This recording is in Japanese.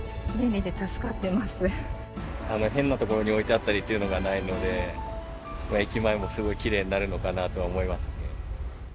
変な所に置いてあったりっていうのがないので駅前もすごいきれいになるのかなとは思いますね。